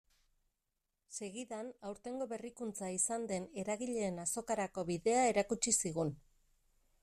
Segidan, aurtengo berrikuntza izan den eragileen azokarako bidea erakutsi zigun.